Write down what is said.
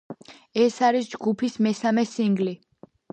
ეს არის ჯგუფის მესამე სინგლი.